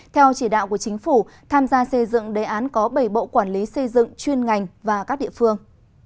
theo chỉ đạo của chính phủ tham gia xây dựng đề án có bảy bộ quản lý xây dựng chuyên ngành và các địa phương